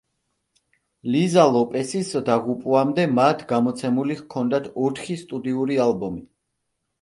ლიზა ლოპესის დაღუპვამდე მათ გამოცემული ჰქონდათ ოთხი სტუდიური ალბომი.